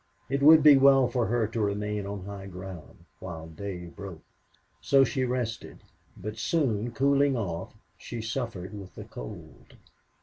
It would be well for her to remain on high ground while day broke. So she rested, but, soon cooling off, she suffered with the cold.